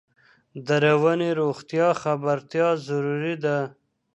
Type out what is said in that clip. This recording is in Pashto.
د رواني روغتیا خبرتیا ضروري ده.